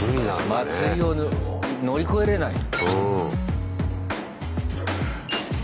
祭りを乗り越えれない。